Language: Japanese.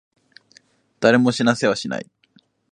誰も死なせはしない。